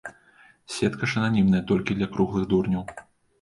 Сетка ж ананімная толькі для круглых дурняў.